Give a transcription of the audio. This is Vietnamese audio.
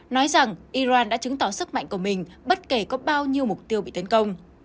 nói rằng iran đã chứng tỏ sức mạnh của mình bất kể có bao nhiêu mục tiêu bị tấn công